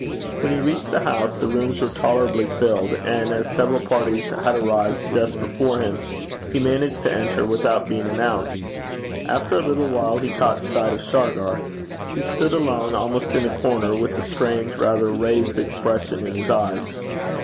When he reached the house, the rooms were tolerably filled, and as several parties had arrived just before him, he managed to enter without being announced. After a little while he caught sight of Shargar. He stood alone, almost in a corner, with a strange, rather raised expression in his eyes.